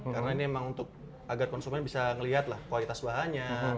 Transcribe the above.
karena ini emang untuk agar consumer bisa ngelihat kualitas bahannya